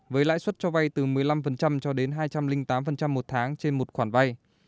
với lãi suất cho vay từ một mươi năm cho đến hai trăm linh tám một tháng trên một khoản vay